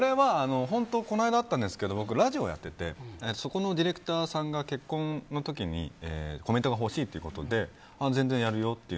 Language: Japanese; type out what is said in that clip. この間あったんですけど僕、ラジオやっててそこのディレクターさんが結婚の時にコメントが欲しいということで全然やるよって。